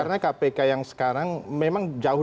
karena kpk yang sekarang memang jauh